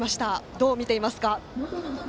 どう見ていますか？